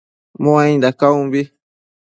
Muainda caumbi